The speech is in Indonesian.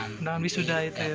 tidak ambil wisuda itu ya